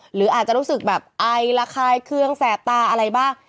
หรืออาจจะรู้สึกแบบไอละคายเครื่องแสบตาอะไรบ้าง